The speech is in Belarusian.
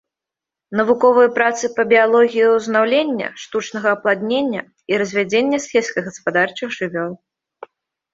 Навуковыя працы па біялогіі ўзнаўлення, штучнага апладнення і развядзення сельскагаспадарчых жывёл.